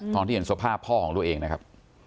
ตอนที่เห็นสภาพพ่อของตัวเองนะครับ